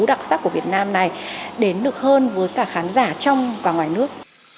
đặc sắc của việt nam này đến được hơn với cả khán giả trong và ngoài nước